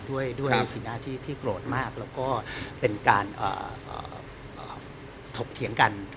ด้วยสีหน้าที่โกรธมากแล้วก็เป็นการถกเถียงกัน